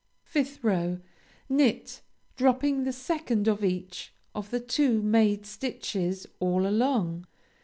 5th row Knit, dropping the second of each of the two made stitches all along.